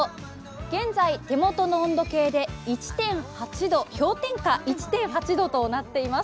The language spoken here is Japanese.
現在、手元の温度計で氷点下１．８度となっています。